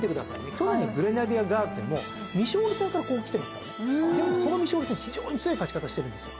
去年のグレナディアガーズでも未勝利戦からここ来てますからねでもその未勝利戦非常に強い勝ち方してるんですよ。